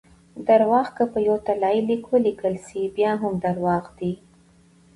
درواغ که په یو طلايي لیک ولیکل سي؛ بیا هم درواغ دي!